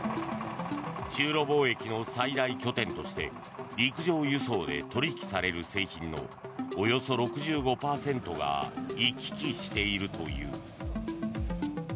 中ロ貿易の最大拠点として陸上輸送で取引される製品のおよそ６５％が行き来しているという。